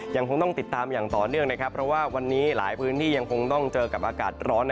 ยังคงต้องติดตามอย่างต่อเนื่องนะครับเพราะว่าวันนี้หลายพื้นที่ยังคงต้องเจอกับอากาศร้อน